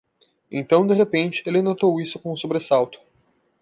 Então, de repente, ele notou isso com um sobressalto.